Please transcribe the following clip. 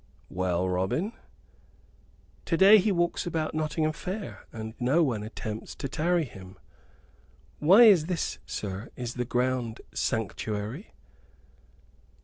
"Well, Robin?" "To day he walks about Nottingham Fair, and no one attempts to tarry him. Why is this, sir? Is the ground sanctuary?"